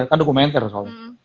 kan dokumen tersebut